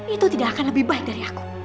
itu tidak akan lebih baik dari aku